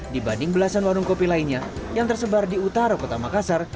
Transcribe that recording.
dibanding belasan warung kopi lainnya yang tersebar di utara kota makassar